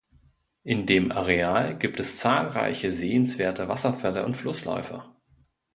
In dem Areal gibt es zahlreiche sehenswerte Wasserfälle und Flussläufe.